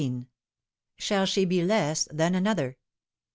SHALL SHE BE LESS THAN ANOTHEE?